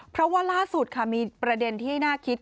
เพราะว่าล่าสุดค่ะมีประเด็นที่น่าคิด